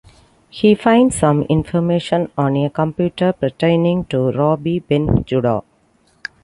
He finds some information on a computer pertaining to Rabbi Ben-Judah.